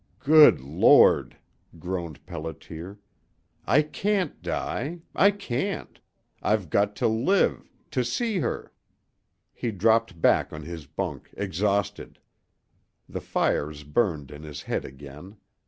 "Good Lord!" groaned Pelliter. "I can't die! I can't! I've got to live to see her " He dropped back on his bunk exhausted. The fires burned in his head again.